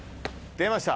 出ました。